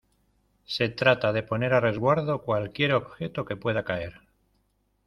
se trata de poner a resguardo cualquier objeto que pueda caer.